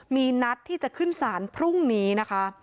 มีนัดที่จะขึ้นศาลพรุ่งนี้นะคะ